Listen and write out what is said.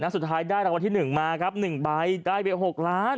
สุดท้ายได้รางวัลที่๑มาครับ๑ใบได้ไป๖ล้าน